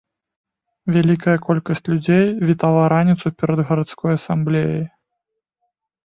Вялікая колькасць людзей вітала раніцу перад гарадской асамблеяй.